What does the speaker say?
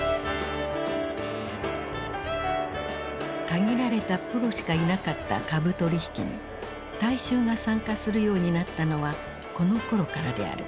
限られたプロしかいなかった株取引に大衆が参加するようになったのはこのころからである。